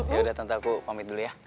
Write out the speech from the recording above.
yaudah tentu aku pamit dulu ya